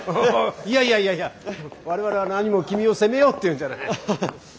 いやいやいやいや我々はなにも君を責めようっていうんじゃない。